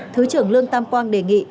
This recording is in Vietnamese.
thứ trưởng lương tam quang đề nghị